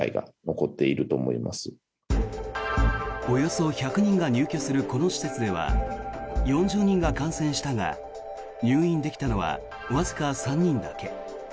およそ１００人が入居するこの施設では４０人が感染したが入院できたのはわずか３人だけ。